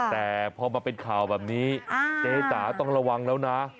แต่พอมาเป็นข่าวแบบนี้เจ๊จ๋าต้องระวังแล้วนะ